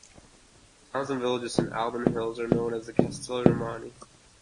The towns and villages in the Alban Hills are known as the Castelli Romani.